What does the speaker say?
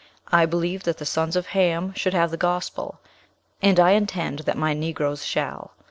I believe that the sons of Ham should have the gospel, and I intend that my Negroes shall.